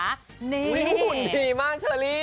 นี่หุ่นดีมากเชอรี่